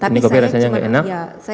ini kopi rasanya nggak enak